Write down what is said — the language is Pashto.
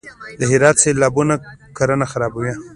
د هرات سیلابونه کروندې خرابوي؟